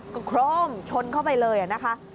ก็โคร่มชนเข้าไปเลยนะคะ